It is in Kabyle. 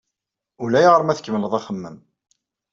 Ulayɣer ma tkemmleḍ axemmem.